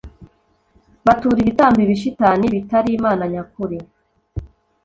batura ibitambo ibishitani bitari imana nyakuri.